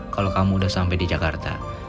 kalau kamu udah sampai di jakarta